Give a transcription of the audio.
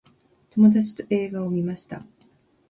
友達と映画を観ました。